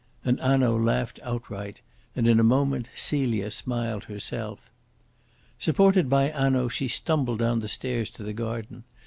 And Hanaud laughed outright, and in a moment Celia smiled herself. Supported by Hanaud she stumbled down the stairs to the garden.